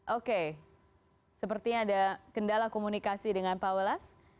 oke sepertinya ada kendala komunikasi dengan pawella